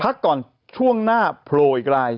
พักก่อนช่วงหน้าโพรออีกไลน์